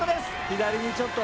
左にちょっと。